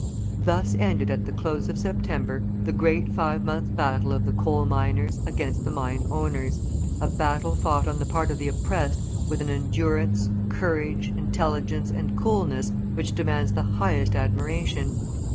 Thus ended at the close of September the great five months' battle of the coal miners against the mine owners, a battle fought on the part of the oppressed with an endurance, courage, intelligence, and coolness which demands the highest admiration.